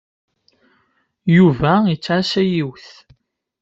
Yuba yettɛassa yiwet.